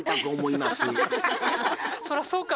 そらそうか。